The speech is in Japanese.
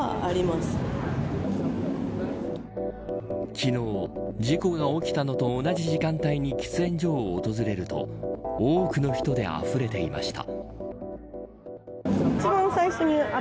昨日、事故が起きたのと同じ時間帯に喫煙所を訪れると多くの人であふれていました。